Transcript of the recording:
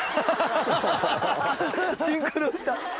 シンクロした。